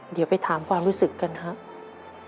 เดี๋ยวไปถามความรู้สึกกันครับ